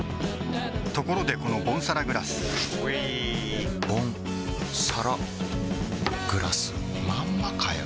ところでこのボンサラグラスうぃボンサラグラスまんまかよ